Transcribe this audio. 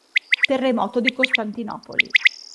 Terremoto di Costantinopoli